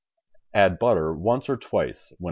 Add butter once or twice when.